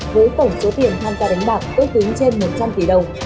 với tổng số tiền tham gia đánh bạc ước tính trên một trăm linh tỷ đồng